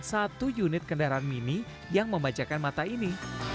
satu unit kendaraan mini yang membajakan mata ini